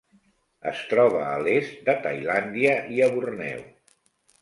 Es troba a l'est de Tailàndia i a Borneo.